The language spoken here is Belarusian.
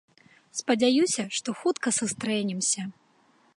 Спадзяюся, што хутка сустрэнемся.